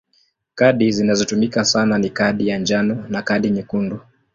Kadi zinazotumika sana ni kadi ya njano na kadi nyekundu.